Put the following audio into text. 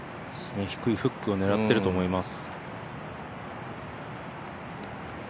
低いフックを狙っていると思います。